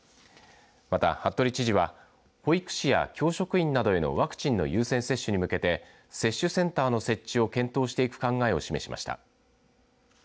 また、服部知事は保育士や教職員などへのワクチンの優先接種に向けて接種センターの設置を検討していく考えを示しました。